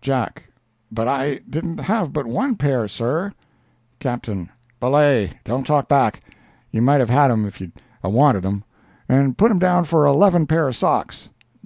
Jack—"But I didn't have but one pair, sir." Captain—"Belay! Don't talk back; you might have had 'em if you'd a' wanted 'em. And put him down for eleven pair of socks."